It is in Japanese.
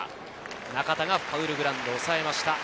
中田がファウルグラウンドでおさえました。